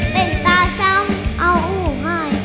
เป็นตาช้ำเอาไห้